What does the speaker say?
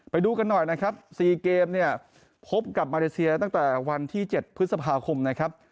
ไปดูกันหน่อยนะครับ๔เกมเนี่ยพบกับมาเลเซียตั้งแต่วันที่๗พฤษภาคมนะครับ